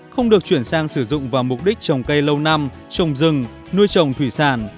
không được chuyển sang sử dụng vào mục đích trồng cây lâu năm trồng rừng nuôi trồng thủy sản